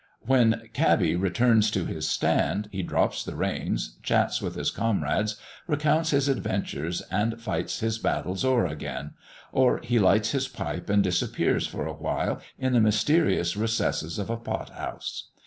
When cabby returns to his stand, he drops the reins, chats with his comrades, recounts his adventures, and "fights his battles o'er again," or he lights his pipe and disappears for a while in the mysterious recesses of a pothouse.